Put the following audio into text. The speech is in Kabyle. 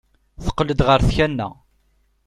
Teqqel-d ɣer tkanna.